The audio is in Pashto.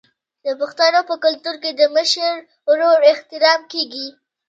د پښتنو په کلتور کې د مشر ورور احترام کیږي.